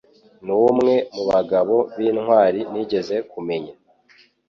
numwe mubagabo b'intwari nigeze kumenya.